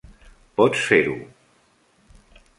Pots fer-ho.